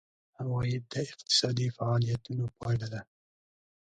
عواید د اقتصادي فعالیتونو پایله ده.